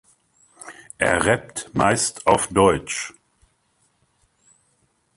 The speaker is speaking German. Er rappt meist auf deutsch.